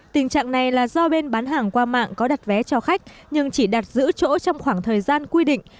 tình trạng này là do bên bán hàng qua mạng có đặt vé cho khách nhưng chỉ đặt giữ chỗ trong khoảng thời gian quy định